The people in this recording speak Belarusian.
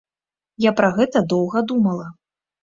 Я пра гэта доўга думала.